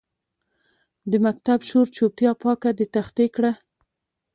د مکتب شور چوپتیا پاکه د تختې کړه